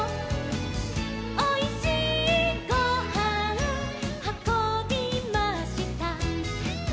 「おいしいごはんはこびました」